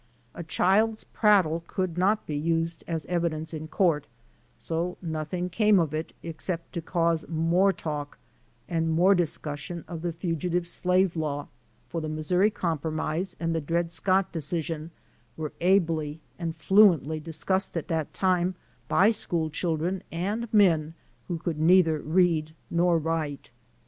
A child's prattle could not be used as evidence in court so nothing came of it except to cause more talk and more dis cussion of the fugitive slave law, for the Missouri Compro mise and the Dred Scott decision were ably and fluently dis cussed at that time by school children and men who could neither read nor write.